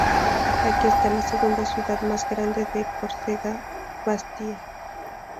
Aquí está la segunda ciudad más grande de Córcega, Bastia.